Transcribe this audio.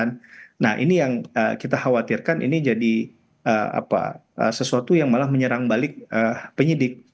nah ini yang kita khawatirkan ini jadi sesuatu yang malah menyerang balik penyidik